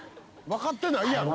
わかってないやろ！」